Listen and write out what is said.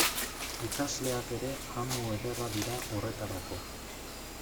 Ikasleak ere amu ederra dira horretarako.